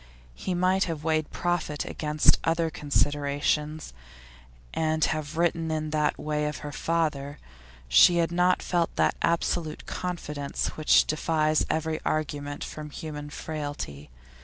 He might have weighed profit against other considerations, and have written in that way of her father; she had not felt that absolute confidence which defies every argument from human frailty.